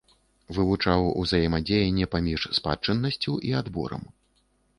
Вывучаў узаемадзеянне паміж спадчыннасцю і адборам.